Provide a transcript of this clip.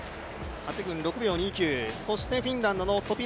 ８分６秒２９、そしてフィンランドのトピ